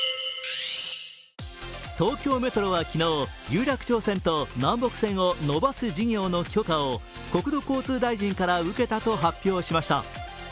東京メトロは昨日、有楽町線と南北線を延ばす事業の許可を国土交通大臣から受けたと発表しました。